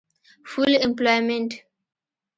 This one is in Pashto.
Full Employment